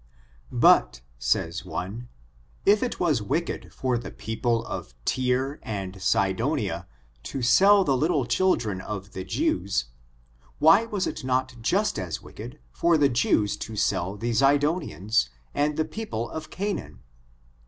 But, says one, if it was wicked for the people of Tyre and Zidonia to sell the little children of the Jews, why was it not just as wicked for the Jews to sell the Zidonians, and the people of Canaan?